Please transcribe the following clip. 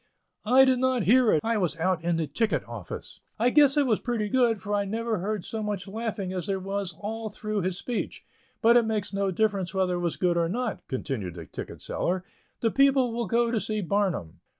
"I did not hear it. I was out in the ticket office. I guess it was pretty good, for I never heard so much laughing as there was all through his speech. But it makes no difference whether it was good or not," continued the ticket seller, "the people will go to see Barnum."